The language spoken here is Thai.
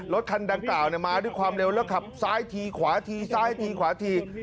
รถคันดังกล่าวมาด้วยความเร็วแล้วขับซ้ายทีขวาทีซ้ายทีขวาที